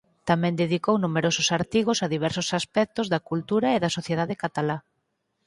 Tamén dedicou numerosos artigos a diversos aspectos da cultura e da sociedade catalá.